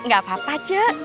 gak papa cek